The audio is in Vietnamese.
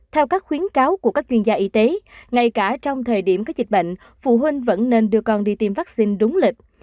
theo các khuyến cáo của các chuyên gia y tế ngay cả trong thời điểm có dịch bệnh phụ huynh vẫn nên đưa con đi tiêm vaccine đúng lịch